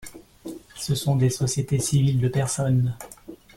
Ce sont des sociétés civiles de personnes.